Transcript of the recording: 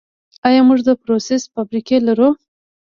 آیا موږ د پروسس فابریکې لرو؟